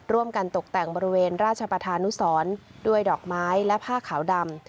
ร่วมกันตกแต่งบริเวณราชประธานุสรด้วยดอกไม้และผ้าขาวดำ